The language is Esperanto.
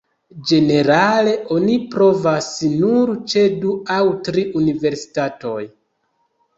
Ĝenerale oni provas nur ĉe du aŭ tri universitatoj.